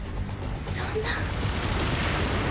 そんな。